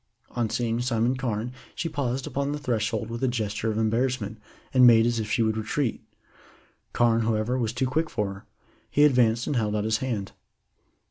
On seeing Simon Carne she paused upon the threshold with a gesture of embarrassment, and made as if she would retreat. Carne, however, was too quick for her. He advanced and held out his hand.